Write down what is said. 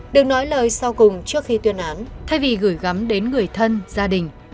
được nói lời sau cùng trước khi tuyên án thay vì gửi gắm đến người thân gia đình